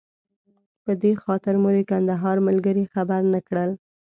په دې خاطر مو د کندهار ملګري خبر نه کړل.